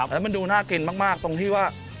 และดูน่ากินมากตรงที่ว่า